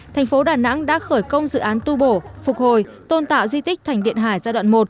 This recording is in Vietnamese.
thành phố đà nẵng đã khởi công dự án tu bổ phục hồi tôn tạo di tích thành điện hải giai đoạn một